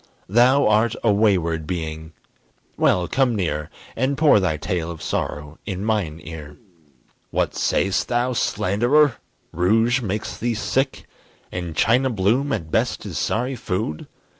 Thou art a wayward being well, come near, And pour thy tale of sorrow in mine ear. What say'st thou, slanderer! rouge makes thee sick? And China Bloom at best is sorry food?